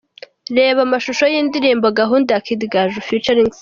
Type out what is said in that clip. Reba amashusho y'indirimbo 'Gahunda' ya Kid Gaju ft Cindy.